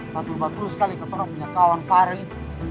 batul batul sekali keperluan punya kawan fahri